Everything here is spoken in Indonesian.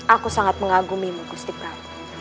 aku sangat mengagumi mu gusti prabu